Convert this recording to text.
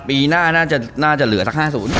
ปีหน้าน่าจะเหลือสัก๕๐